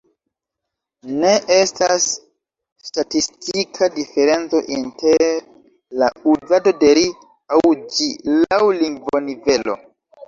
Ne estas statistika diferenco inter la uzado de ”ri” aŭ ”ĝi” laŭ lingvonivelo.